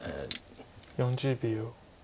４０秒。